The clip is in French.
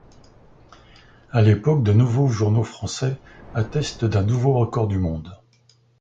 À l'époque de nombreux journaux français attestent d'un nouveau record du monde.